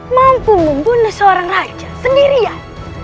mampu membunuh seorang raja sendirian